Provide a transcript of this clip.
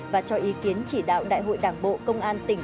và cho ý kiến chỉ đạo đại hội đảng bộ công an tỉnh